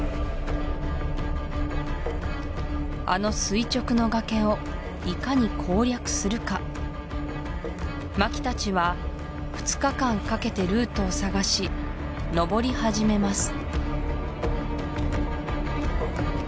あの垂直の崖をいかに攻略するか槇たちは２日間かけてルートを探し登り始めます